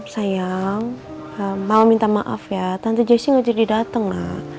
sayang mau minta maaf ya tante jesse gak jadi dateng ma